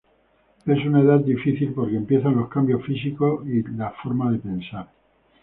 Es una edad difícil porque empiezan los cambios físicos y de forma de pensar...